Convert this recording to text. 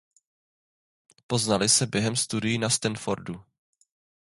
Poznali se během studií na Stanfordu.